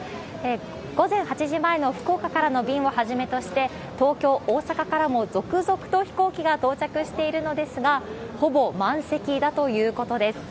午前８時前の福岡からの便を初めとして、東京、大阪からも続々と飛行機が到着しているのですが、ほぼ満席だということです。